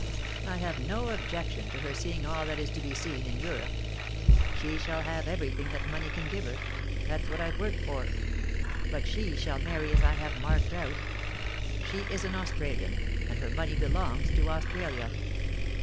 ... I have no objection to her seeing all that is to be seen in Europe. She shall have ever^'thing that money can give her — that's what IVe worked for ; but she shall marry as I have marked out She is an Australian, and her money belongs to Australia.